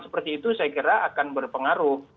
seperti itu saya kira akan berpengaruh